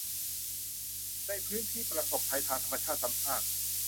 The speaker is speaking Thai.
ในพื้นที่ประสบภัยทางธรรมชาติซ้ำซาก